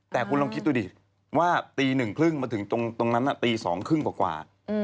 แต่คุณลองคิดดูดิว่าตี๑๓๐มาถึงตรงนั้นตี๒๓๐กว่า